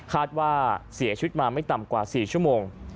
คาดว่าเสียชีวิตมาไม่ต่ำกว่า๔ชั่วโมง